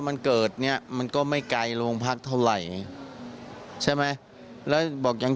มันเกิดเนี้ยมันก็ไม่ไกลโรงพักเท่าไหร่ใช่ไหมแล้วบอกยัง